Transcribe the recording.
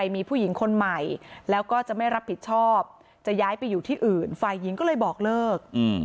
ไม่รับผิดชอบจะย้ายไปอยู่ที่อื่นฝ่ายหญิงก็เลยบอกเลิก